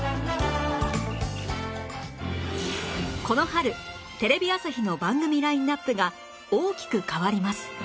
この春テレビ朝日の番組ラインアップが大きく変わります